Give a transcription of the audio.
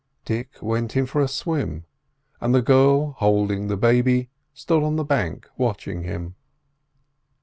Dick went in for a swim, and the girl, holding the baby, stood on the bank watching him.